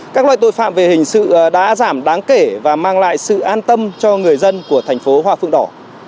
các loại tội phạm về hình sự đã giảm đáng kể và mang lại sự an tâm cho người dân của thành phố hoa phượng đỏ